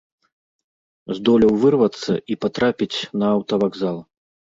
Здолеў вырвацца і патрапіць на аўтавакзал.